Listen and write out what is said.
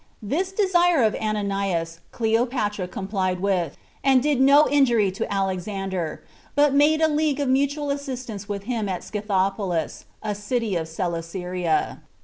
This desire of Ananias Cleopatra complied with, and did no injury to Alexander, but made a league of mutual assistance with him at Scythopolis, a city of Celesyria.